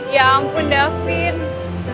ya ampun davin sabar banget sih